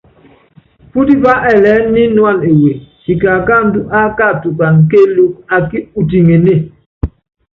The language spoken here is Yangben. Pútipá ɛɛlɛɛ́ nyínúana ewe, siki akáandú ákatukana kéélúkú akí utiŋenée.